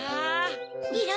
いろ